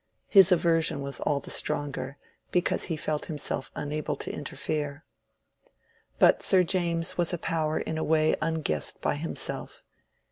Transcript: His aversion was all the stronger because he felt himself unable to interfere. But Sir James was a power in a way unguessed by himself.